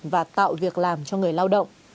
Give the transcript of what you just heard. và tạo việc làm cho người lao động